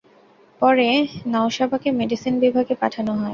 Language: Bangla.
পরে নওশাবাকে মেডিসিন বিভাগে পাঠানো হয়।